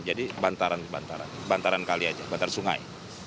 jadi bantaran bantaran bantaran kali saja bantaran sungai